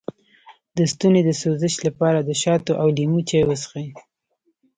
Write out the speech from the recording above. د ستوني د سوزش لپاره د شاتو او لیمو چای وڅښئ